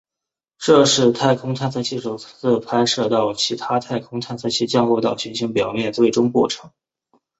这是太空探测器首次拍摄到其他太空探测器降落到行星表面最终过程。